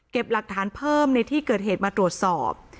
หลักฐานเพิ่มในที่เกิดเหตุมาตรวจสอบ